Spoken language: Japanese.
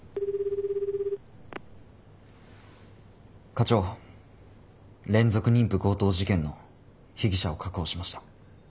課長連続妊婦強盗事件の被疑者を確保しました。